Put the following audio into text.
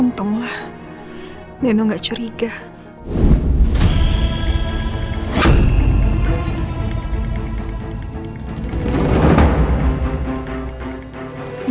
aku ngerasa udah jadi istri yang buruk buat kamu